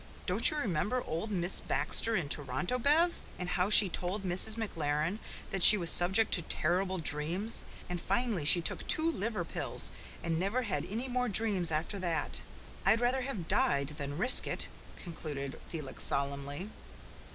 "Don't you remember old Miss Baxter in Toronto, Bev? And how she told Mrs. McLaren that she was subject to terrible dreams, and finally she took two liver pills and never had any more dreams after that. I'd rather have died than risk it," concluded Felix solemnly.